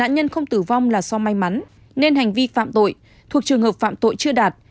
nên không tử vong là so may mắn nên hành vi phạm tội thuộc trường hợp phạm tội chưa đạt